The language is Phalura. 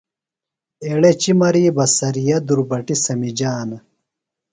ایڑے چِمری بہ سریہ دُربٹی وغیرہ سمِجِانہ۔